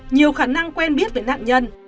nhiều khả năng quen biết với nạn nhân